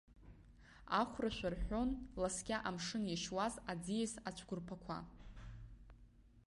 Ахәрашәа рҳәон ласкьа амшын иашьуаз аӡиас ацәқәырԥақәа.